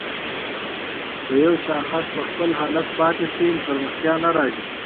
که يو شاخص په خپل حال پاتې شي پرمختيا نه راځي.